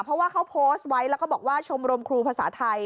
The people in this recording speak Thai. เพราะว่าเขาโพสต์ไว้แล้วก็บอกว่าชมรมครูภาษาไทย